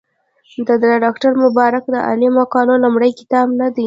دا د ډاکټر مبارک علي د مقالو لومړی کتاب نه دی.